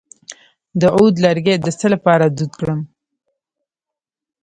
د عود لرګی د څه لپاره دود کړم؟